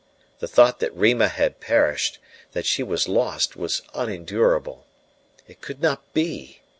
The thought that Rima had perished, that she was lost, was unendurable. It could not be!